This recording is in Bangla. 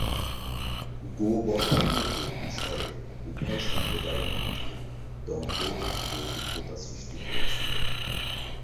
গো-বধের মতো বিষয়ে উভয় সম্প্রদায়ের মধ্যে দ্বন্দ্ব ও তিক্ততা সৃষ্টি হয়েছিল।